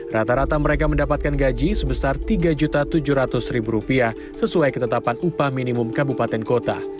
rata rata mereka mendapatkan gaji sebesar rp tiga tujuh ratus sesuai ketetapan upah minimum kabupaten kota